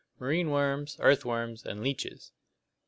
Marine worms, earthworms, and leeches.